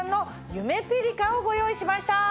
ゆめぴりかをご用意しました。